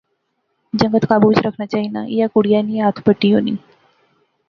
جنگت قابو وچ رکھنا پینا، ایہہ کڑیا نی ہتھ بٹی ہونی